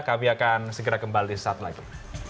kami akan segera kembali saat lagi